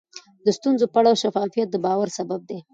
د ستونزو په اړه شفافیت د باور سبب دی.